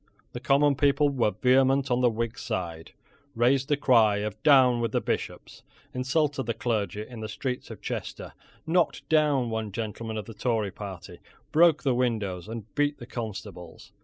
The common people were vehement on the Whig side, raised the cry of "Down with the Bishops," insulted the clergy in the streets of Chester, knocked down one gentleman of the Tory party, broke the windows and beat the constables.